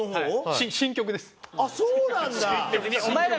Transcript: あっそうなんだ？